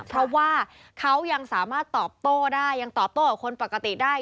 เพราะว่าเขายังสามารถตอบโต้ได้ยังตอบโต้กับคนปกติได้